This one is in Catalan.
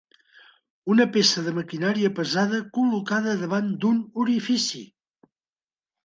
Una peça de maquinaria pesada col·locada davant d"un orifici.